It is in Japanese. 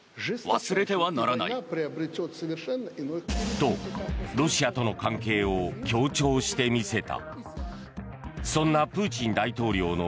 と、ロシアとの関係を強調して見せた。